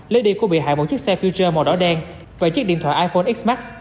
lê điên cô bị hại một chiếc xe future màu đỏ đen và chiếc điện thoại iphone x max